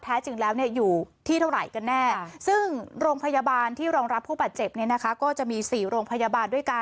แท้จริงแล้วเนี่ยอยู่ที่เท่าไหร่กันแน่ซึ่งโรงพยาบาลที่รองรับ